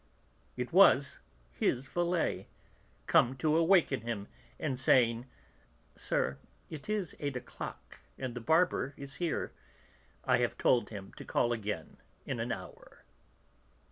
It was his valet, come to awaken him, and saying: "Sir, it is eight o'clock, and the barber is here. I have told him to call again in an hour."